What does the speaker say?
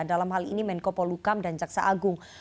dalam hal ini menko polukam dan jaksa agung